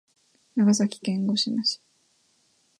長崎県五島市